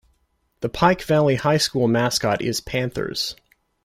The Pike Valley High School mascot is Panthers.